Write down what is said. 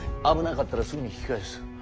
危なかったらすぐに引き返す。